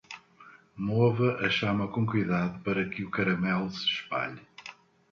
Mova a chama com cuidado para que o caramelo se espalhe.